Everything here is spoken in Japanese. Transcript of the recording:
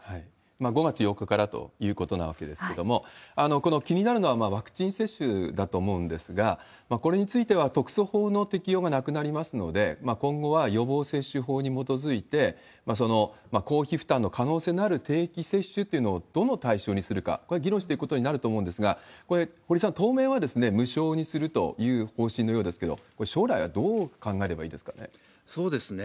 ５月８日からということなわけですけども、この気になるのは、ワクチン接種だと思うんですが、これについては、特措法の適用がなくなりますので、今後は予防接種法に基づいて、公費負担の可能性のある定期接種というのをどの対象にするか、これは議論していくことになると思うんですが、これ、堀さん、当面は無償にするという方針のようですけど、これ、将来はどう考えればいいですかね？